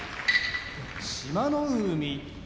志摩ノ海